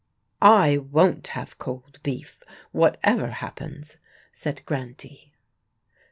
"I won't have cold beef, whatever happens," said Grantie.